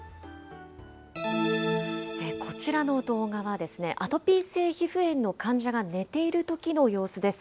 こちらの動画はですね、アトピー性皮膚炎の患者が寝ているときの様子です。